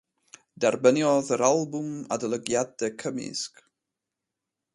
Derbyniodd yr albwm adolygiadau cymysg.